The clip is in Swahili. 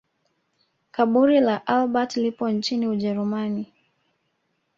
Kaburi la Albert lipo nchini Ujerumani